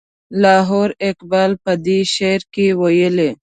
لاهوري اقبال په دې شعر کې ویلي.